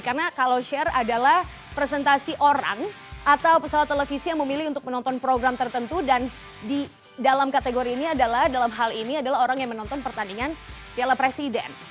karena kalau share adalah presentasi orang atau pesawat televisi yang memilih untuk menonton program tertentu dan di dalam kategori ini adalah dalam hal ini adalah orang yang menonton pertandingan piala presiden